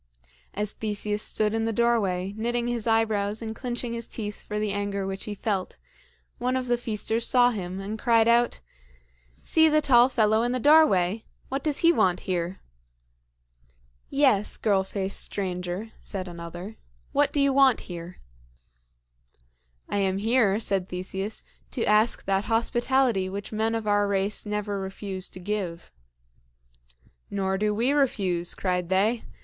As Theseus stood in the doorway, knitting his eyebrows and clinching his teeth for the anger which he felt, one of the feasters saw him, and cried out: "See the tall fellow in the doorway! What does he want here?" [Illustration: "'GREAT KING,' HE SAID, 'I AM A STRANGER IN ATHENS.'"] "Yes, girl faced stranger," said another, "what do you want here?" "I am here," said Theseus, "to ask that hospitality which men of our race never refuse to give." "Nor do we refuse," cried they.